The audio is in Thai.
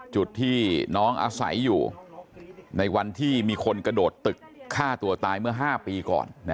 จุดที่น้องอาศัยอยู่ในวันที่มีคนกระโดดตึกฆ่าตัวตายเมื่อ๕ปีก่อน